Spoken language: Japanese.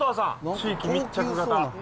地域密着型。